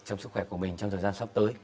trong sức khỏe của mình trong thời gian sắp tới